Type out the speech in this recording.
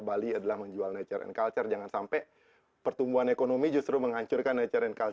bali adalah menjual nature and culture jangan sampai pertumbuhan ekonomi justru menghancurkan nature and culture